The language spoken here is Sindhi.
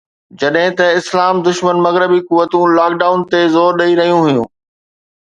جڏهن ته اسلام دشمن مغربي قوتون لاڪ ڊائون تي زور ڏئي رهيون هيون